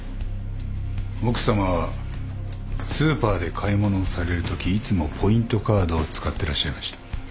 奥さまはスーパーで買い物をされるときいつもポイントカードを使ってらっしゃいました。